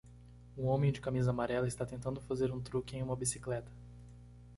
Um homem de camisa amarela está tentando fazer um truque em uma bicicleta.